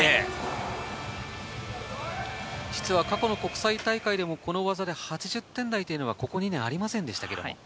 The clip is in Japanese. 実は過去の国際大会でもこの技で８０点台はここ２年ありませんでした。